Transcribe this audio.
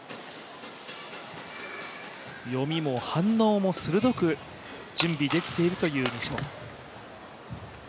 読みも反応も鋭く準備できているという西本。